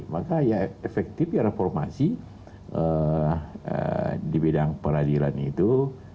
maka efektif reformasi di bidang peradilan itu